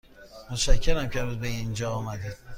متشکرم که امروز به اینجا آمدید.